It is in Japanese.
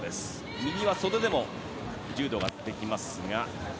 右は袖でも柔道ができますが。